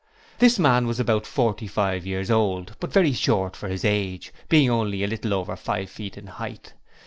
This man was about forty five years old, but very short for his age, being only a little over five feet in height.